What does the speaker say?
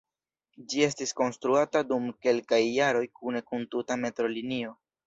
Ĝi estis konstruata dum kelkaj jaroj kune kun tuta metrolinio.